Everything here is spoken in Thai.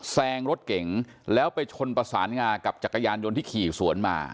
แซงรถเก๋งแล้วไปชนประสานงากับจักรยานยนต์ที่ขี่สวนมา